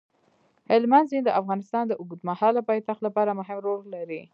هلمند سیند د افغانستان د اوږدمهاله پایښت لپاره مهم رول لري.